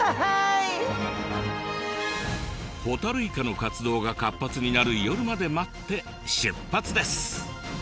ホタルイカの活動が活発になる夜まで待って出発です。